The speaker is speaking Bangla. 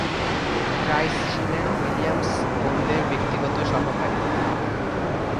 প্রাইস ছিলেন উইলিয়ামস বোনদের ব্যক্তিগত সহকারী।